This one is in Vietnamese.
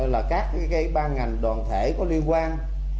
là các ban ngành đoàn thể có liên quan